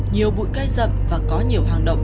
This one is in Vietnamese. nhiều bụi cây rậm và có nhiều hàng động